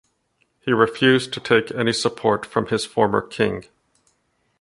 He refused to take any support from his former King.